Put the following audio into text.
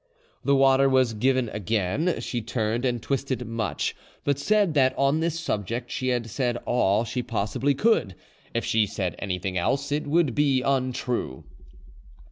"The water was again given; she turned and twisted much, but said that on this subject she had said all she possibly could; if she said anything else, it would be untrue."